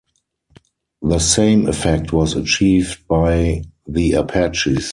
The same effect was achieved by the Apaches.